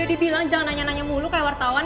dibilang jangan nanya nanya mulu kayak wartawan